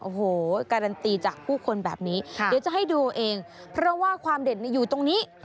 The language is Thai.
โอ้โหการันตีจากผู้คนแบบนี้เดี๋ยวจะให้ดูเองเพราะว่าความเด็ดอยู่ตรงนี้